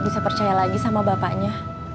bisa percaya lagi sama bapaknya